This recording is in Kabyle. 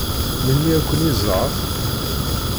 Melmi ad ken-iẓeṛ?